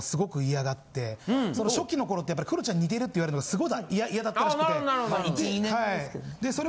初期の頃ってやっぱりクロちゃんに似てるって言われるのが嫌だったらしくて。